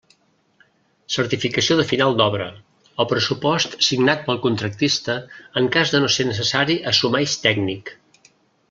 Certificació de final d'obra, o pressupost signat pel contractista en cas de no ser necessari assumeix tècnic.